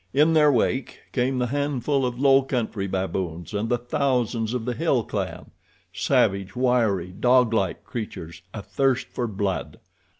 In their wake came the handful of low country baboons and the thousands of the hill clan—savage, wiry, dog like creatures, athirst for blood.